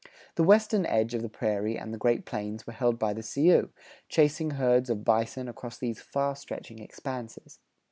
The western edge of the prairie and the Great Plains were held by the Sioux, chasing herds of bison across these far stretching expanses.